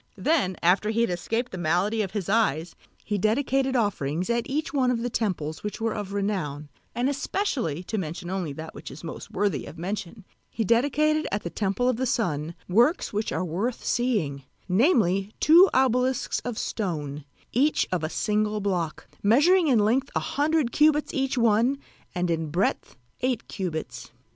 Then after he had escaped the malady of his eyes he dedicated offerings at each one of the temples which were of renown, and especially (to mention only that which is most worthy of mention) he dedicated at the temple of the Sun works which are worth seeing, namely two obelisks of stone, each of a single block, measuring in length a hundred cubits each one and in breadth eight cubits.